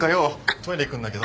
トイレ行くんだけど。